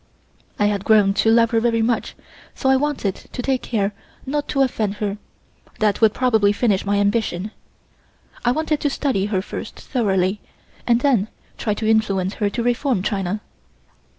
I had grown to love her very much, so I wanted to take care not to offend her; that would probably finish my ambition. I wanted to study her first thoroughly and then try to influence her to reform China.